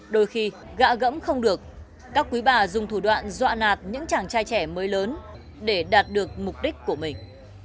đôi khi gạ gẫm không được các quý bà dùng thủ đoạn dọa nạt những chàng trai trẻ mới lớn để đạt được mục đích của mình